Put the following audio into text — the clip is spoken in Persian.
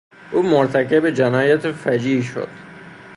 او مرتکب جنایت فجیعی شد.